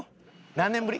何年ぶり？